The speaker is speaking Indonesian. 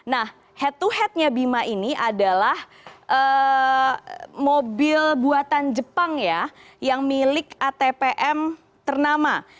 nah head to headnya bima ini adalah mobil buatan jepang ya yang milik atpm ternama